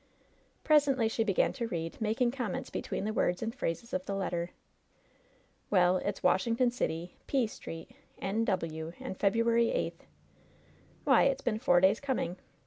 Presently she began to read, making comments be tween the words and phrases of the letter. "Well, it's 'Washington City, P Street, K W., and February 8th.' Why, it's been four days coming.